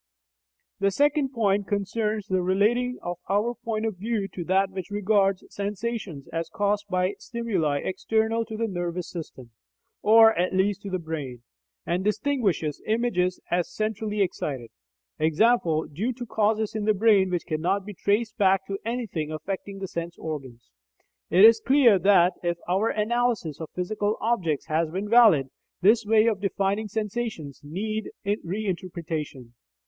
The second point concerns the relating of our point of view to that which regards sensations as caused by stimuli external to the nervous system (or at least to the brain), and distinguishes images as "centrally excited," i.e. due to causes in the brain which cannot be traced back to anything affecting the sense organs. It is clear that, if our analysis of physical objects has been valid, this way of defining sensations needs reinterpretation.